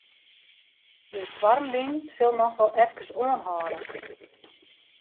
De stoarmwyn sil noch wol efkes oanhâlde.